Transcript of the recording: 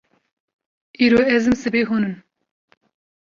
Îro ez im sibê hûn in